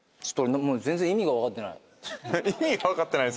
全然意味が分かってない。